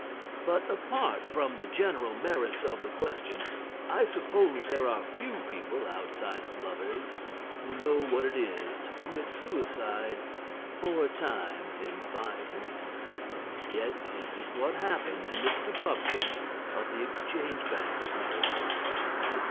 But apart from the general merits of the question, I suppose there are few people, outside of lovers, who know what it is to commit suicide four times in five weeks. Yet this was what happened to Mr. Pupkin, of the Exchange Bank of Mariposa.